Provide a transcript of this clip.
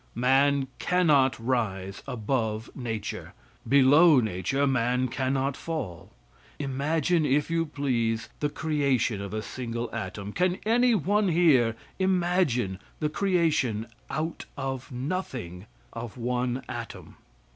Man cannot rise above nature; below nature man cannot fall. Imagine, if you please, the creation of a single atom. Can any one here imagine the creation out of nothing of one atom?